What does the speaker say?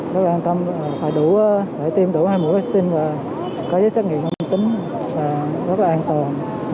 rất an tâm phải đủ để tiêm đủ hai mũi vaccine và có giấy xét nghiệm âm tính rất là an toàn